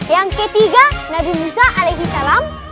yang ketiga nabi musa alaihi salam